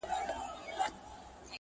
په ژبه خپل په هدیره او په وطن به خپل وي؛